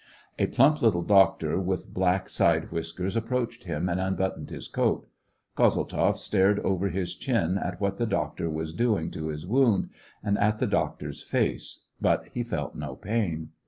A plump little doctor, with black side whiskers, approached him, and unbuttoned his coat. Kozel tzoff stared over his chin at what the doctor was doing to his wound, and at the doctor's face, but he felt no pain.